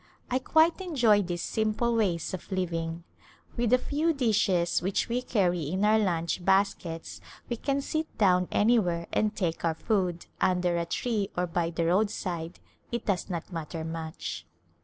I quite enjoy these simple ways of living. With the {^\N dishes which we carry in our lunch baskets we can sit down anywhere and take our food, A Glimpse of India under a tree or by the roadside, it does not matter much.